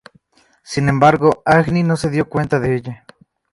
Sin embargo Agni, no se dio cuenta de ella.